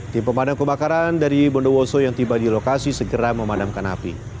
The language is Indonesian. tim pemadam kebakaran dari bondowoso yang tiba di lokasi segera memadamkan api